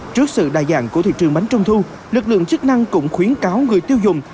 trước sự đa dạng của thị trường bánh trung thu lực lượng chức năng cũng khuyến cáo người tiêu dùng